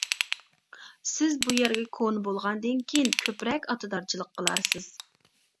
-سىز بۇ يەرگە كونا بولغاندىن كېيىن كۆپرەك ئاتىدارچىلىق قىلارسىز.